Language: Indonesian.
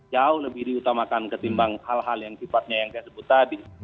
jauh lebih diutamakan ketimbang hal hal yang sifatnya yang saya sebut tadi